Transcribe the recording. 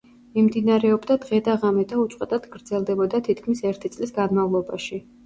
მიმდინარეობდა დღე და ღამე და უწყვეტად გრძელდებოდა თითქმის ერთი წლის განმავლობაში.